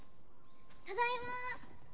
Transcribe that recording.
ただいま！